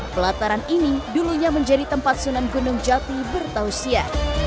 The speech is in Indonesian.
pelataran ini dulunya menjadi tempat sunan gunung jati bertausia